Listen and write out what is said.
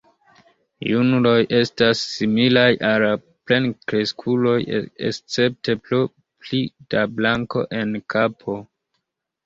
Junuloj estas similaj al plenkreskuloj escepte pro pli da blanko en kapo.